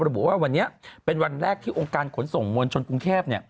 ระบุว่าวันนี้เป็นวันแรกที่องค์การขนส่งมวลชนกรุงเทพ